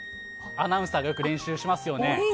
アナウンサーがよく練習しますよね。